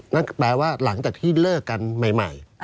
นั่นแปลว่าหลังจากที่เลิกกันใหม่